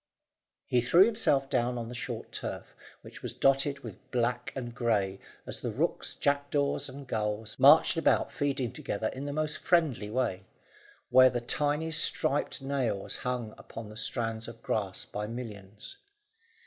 He threw himself down on the short turf, which was dotted with black and grey, as the rooks, jackdaws, and gulls marched about feeding together in the most friendly way, where the tiny striped snails hung upon the strands of grass by millions.